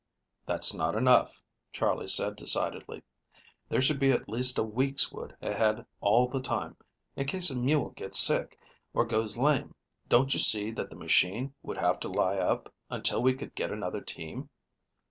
"That's not enough," Charley said decidedly. "There should be at least a week's wood ahead all the time. In case a mule gets sick, or goes lame, don't you see that the machine would have to lie up until we could get another team?